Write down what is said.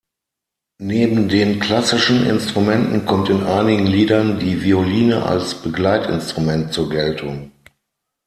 Neben den klassischen Instrumenten kommt in einigen Liedern die Violine als Begleitinstrument zur Geltung.